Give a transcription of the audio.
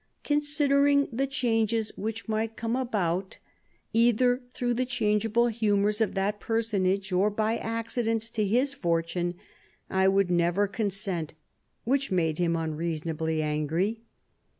" Considering the changes which might come about, either through the changeable humours of that personage or by accidents to his fortune, I would never consent, which made him unreasonably angry."